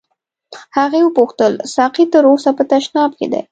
هغې وپوښتل ساقي تر اوسه په تشناب کې دی.